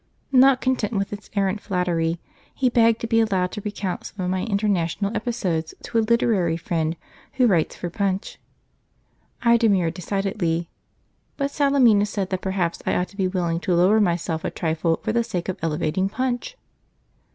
Not content with this arrant flattery, he begged to be allowed to recount some of my international episodes to a literary friend who writes for Punch. I demurred decidedly, but Salemina said that perhaps I ought to be willing to lower myself a trifle for the sake of elevating Punch!